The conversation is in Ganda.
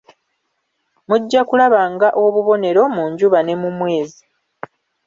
Mujja kulabanga obubunero mu njuba ne mu mwezi.